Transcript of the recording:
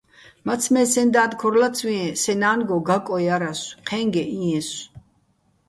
მაცმე́ სეჼ და́დ ქორ ლაცვიეჼ, სეჼ ნა́ნგო გაკო ჲარასო̆, ჴე́ნგეჸ ჲიესო̆.